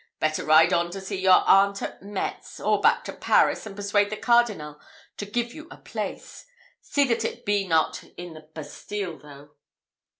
Better ride on to see your aunt at Metz; or back to Paris, and persuade the Cardinal to give you a place. See that it be not in the Bastile, though."